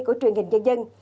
của truyền hình nhân dân